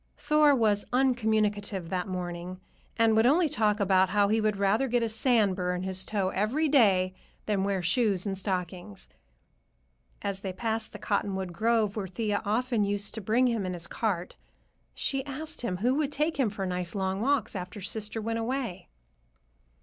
Thor was uncommunicative that morning, and would only talk about how he would rather get a sand bur in his toe every day than wear shoes and stockings. As they passed the cottonwood grove where Thea often used to bring him in his cart, she asked him who would take him for nice long walks after sister went away.